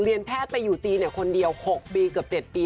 แพทย์ไปอยู่จีนคนเดียว๖ปีเกือบ๗ปี